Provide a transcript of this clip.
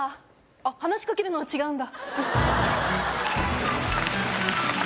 あっ話しかけるのは違うんだ